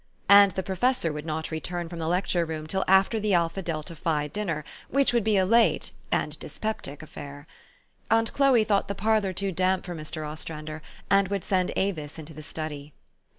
And the professor would not return from the lecture room till after the Alpha Delta Phi din ner, which would be a late (and dyspeptic) affair. Aunt Chloe thought the parlor too damp for Mr. Ostrander, and would send Avis into the study.